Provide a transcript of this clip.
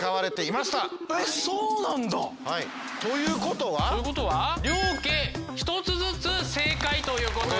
そうなんだ！ということは。ということは両家１つずつ正解ということで。